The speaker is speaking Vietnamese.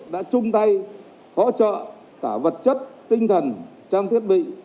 đã chung tay hỗ trợ cả vật chất tinh thần trang thiết bị